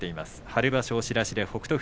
春場所押し出しで北勝